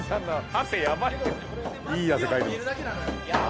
いい汗かいてます。